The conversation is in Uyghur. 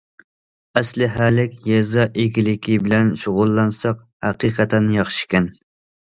ئەسلىھەلىك يېزا ئىگىلىكى بىلەن شۇغۇللانساق ھەقىقەتەن ياخشىكەن.